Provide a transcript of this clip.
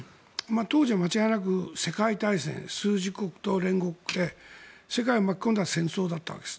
当時は間違いなく世界大戦枢軸国と連合国で世界を巻き込んだ戦争だったわけです。